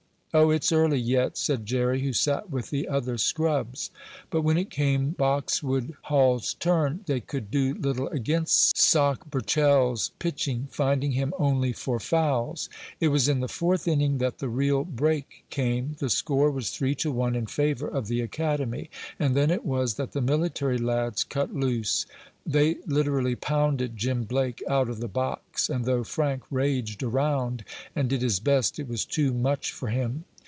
"Oh, it's early yet," said Jerry, who sat with the other scrubs. But when it came Boxwood Hall's turn they could do little against "Sock" Burchell's pitching, finding him only for fouls. It was in the fourth inning that the real break came. The score was three to one in favor of the academy. And then it was that the military lads cut loose. They literally pounded Jim Blake out of the box, and though Frank raged around, and did his best, it was too much for him.